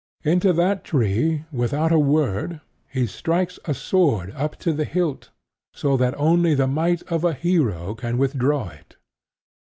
Into that tree, without a word, he strikes a sword up to the hilt, so that only the might of a hero can withdraw it.